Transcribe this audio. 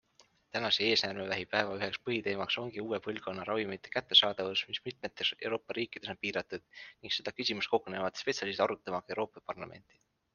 Tänase eesnäärmevähi päeva üheks põhiteemaks ongi uue põlvkonna ravimite kättesaadavus, mis mitmetes Euroopa riikides on piiratud ning seda küsimust kogunevad spetsialistid arutama ka Euroopa Parlamenti.